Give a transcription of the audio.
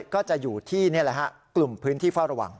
ก็จะอยู่ที่นี่แหละฮะกลุ่มพื้นที่เฝ้าระวัง